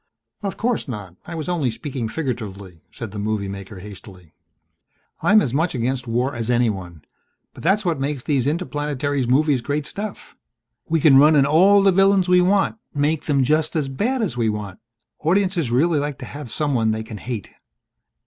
"Of course not I was only speaking figuratively," said the movie maker hastily. "I'm as much against war as anyone. But that's what makes these interplanetary movies great stuff. We can run in all the villains we want make them just as bad as we want. Audiences really like to have someone they can hate."